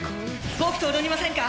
僕と踊りませんか？